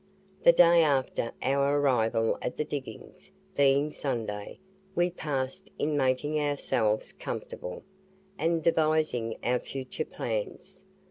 The day after our arrival at the diggings, being Sunday, we passed in making ourselves comfortable, and devising our future plans.